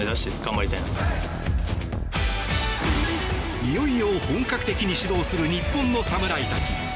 いよいよ本格的に始動する日本の侍たち。